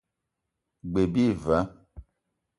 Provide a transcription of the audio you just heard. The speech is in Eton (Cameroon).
G-beu bi va.